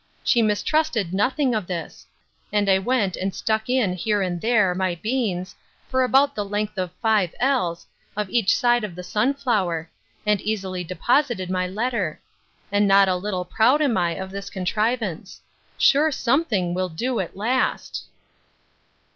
She mistrusted nothing of this; and I went and stuck in here and there my beans, for about the length of five ells, of each side of the sunflower; and easily deposited my letter. And not a little proud am I of this contrivance. Sure something will do at last!